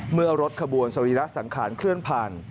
เมื่อรถขบวนสรีระสังขารเคลื่อนผ่าน